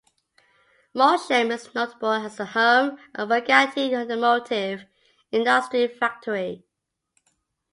Molsheim is notable as the home of the Bugatti automotive industry factory.